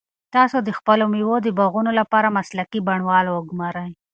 تاسو د خپلو مېوو د باغونو لپاره مسلکي بڼوال وګمارئ.